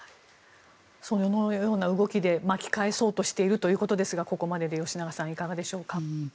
そのような動きで巻き返そうとしているということですがここまでで吉永さんいかがでしょうか。